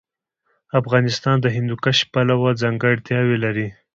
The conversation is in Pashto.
افغانستان د هندوکش پلوه ځانګړتیاوې لري.